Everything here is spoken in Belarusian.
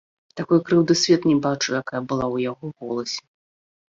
Такой крыўды свет не бачыў, якая была ў яго голасе.